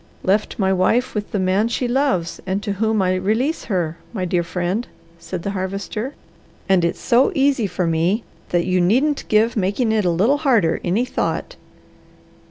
"Left my wife with the man she loves, and to whom I release her, my dear friend," said the Harvester. "And it's so easy for me that you needn't give making it a little harder, any thought."